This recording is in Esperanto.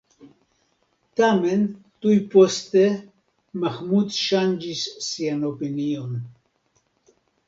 Tamen, tuj poste Mahmud ŝanĝis sian opinion.